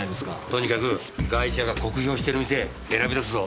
とにかくガイシャが酷評してる店選び出すぞ。